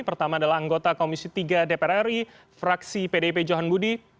pertama adalah anggota komisi tiga dpr ri fraksi pdip johan budi